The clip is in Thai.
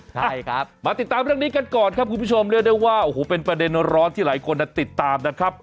ใช่ครับมาติดตามเรื่องนี้กันก่อนครับคุณผู้ชมเรียกได้ว่าโอ้โหเป็นประเด็นร้อนที่หลายคนติดตามนะครับ